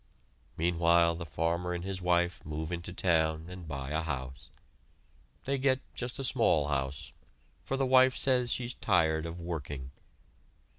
Meanwhile the farmer and his wife move into town and buy a house. They get just a small house, for the wife says she's tired of working.